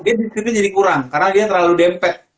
dia disipnya jadi kurang karena dia terlalu dempet